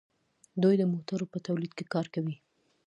دوی د موټرو په تولید کې کار کوي.